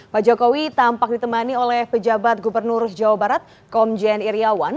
pak jokowi tampak ditemani oleh pejabat gubernur jawa barat komjen iryawan